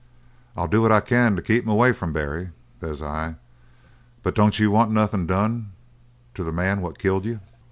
"'I'll do what I can to keep him away from Barry,' says I, 'but don't you want nothin' done to the man what killed you?'